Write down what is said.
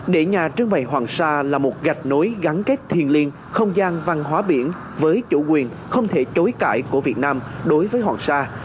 để nhà trương bày hoàng sa là một gạch nối gắn kết thiền liên không gian văn hóa biển với chủ quyền không thể chối cãi của việt nam đối với hoàng sa